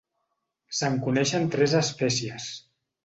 Se'n coneixen tres espècies.